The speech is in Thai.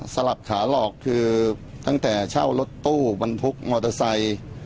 สลับขาหลอกคือตั้งแต่เช่ารถตู้บรรทุกมอเตอร์ไซค์